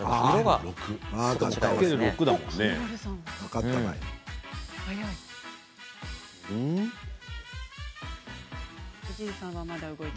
×６だもんね。